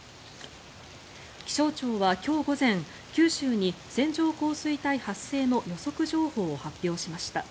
気象庁は今日午前九州に線状降水帯発生の予測情報を発表しました。